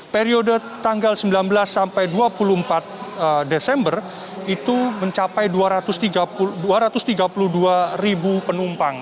periode tanggal sembilan belas sampai dua puluh empat desember itu mencapai dua ratus tiga puluh dua ribu penumpang